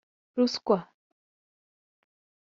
ruswa